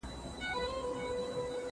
زه اجازه لرم چي بوټونه پاک کړم،